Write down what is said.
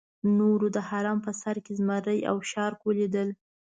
نورو د هرم په سر کې زمري او شارک ولیدل.